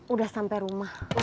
udah sampe rumah